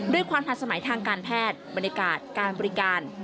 ด้วยความพัดสมัยทางการแพทย์บริการบริการ